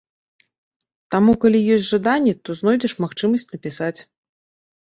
Таму, калі ёсць жаданне, то знойдзеш магчымасць напісаць.